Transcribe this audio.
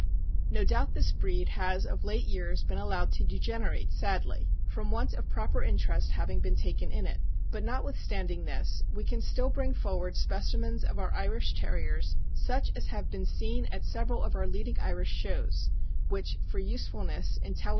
No doubt this breed has of late years been allowed to degenerate sadly, from want of proper interest having been taken in it; but notwithstanding this, we can still bring forward specimens of our Irish Terriers, such as have been seen at several of our leading Irish shows, which for usefulness, intelli 420 THE AMERICAN BOOK OF THE DOG.